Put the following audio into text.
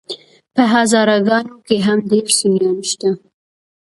په هزاره ګانو کي هم ډير سُنيان شته